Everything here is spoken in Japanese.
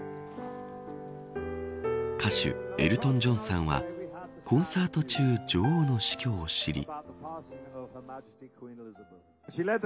歌手、エルトン・ジョンさんはコンサート中女王の死去を知り。